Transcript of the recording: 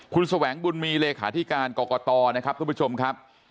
คุณแสวงบุญมีเลขาธิการกรกตนะครับทุกผู้ชมครับ